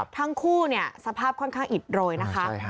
ทั้งคู่สภาพค่อนข้างอิดโรยนะคะ